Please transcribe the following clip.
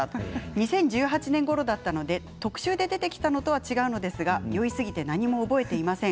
２０１８年ごろだったので特集で出てきたお店ではないんですが酔いすぎて何も覚えていません。